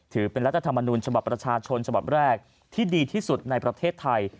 ถือเป็นรัฐธรรมนูญฉบับประชาชนฉบับแรกที่ดีที่สุดในประเทศไทย